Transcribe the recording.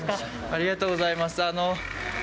ありがとうございます。